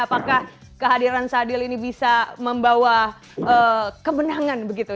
apakah kehadiran sadil ini bisa membawa kebenangan begitu